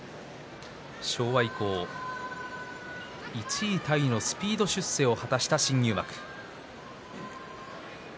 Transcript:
昭和以降１位タイのスピード出世を果たした新入幕。